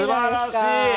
すばらしい！